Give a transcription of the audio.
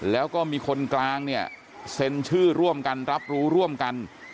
แล้วก็มีคนกลางเนี่ยเซ็นชื่อร่วมกันรับรู้ร่วมกัน